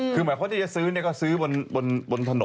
คือหมายความว่าจะซื้อก็ซื้อบนถนน